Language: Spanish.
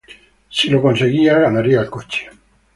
Si lo conseguía, ganaría el coche.